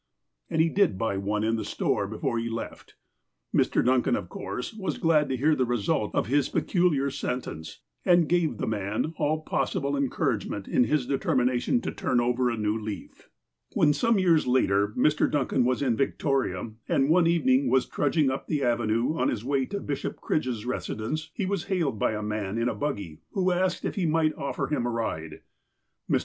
And he did buy one in the store, before he left. Mr. Duncan, of course, was glad to hear the result of his peculiar sentence, and gave the man all possible encour agement in his determination to turn over a new leaf. When, some years later, Mr. Duncan was in Victoria, and one evening was trudging up the avenue on his way to Bishop Cridge's residence, he was hailed by a man in a buggy, who asked if he might offer him a ride. Mr.